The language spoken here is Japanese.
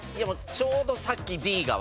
ちょうどさっきＤが。